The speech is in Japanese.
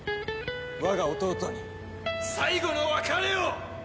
我が弟に最後の別れを！